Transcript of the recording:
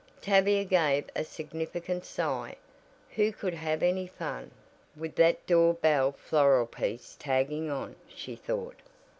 Tavia gave a significant sigh. Who could have any fun "with that door bell floral piece tagging on," she thought.